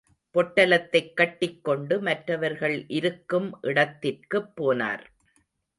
பொட்டலத்தைக் கட்டிக் கொண்டு, மற்றவர்கள் இருக்கும் இடத்திற்குப் போனார்.